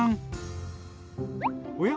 おや？